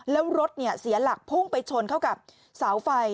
แล้วรถเสียหลักพุ่งไปชนเข้ากับเสาไฟ